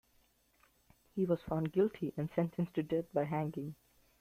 He was found guilty and sentenced to death by hanging.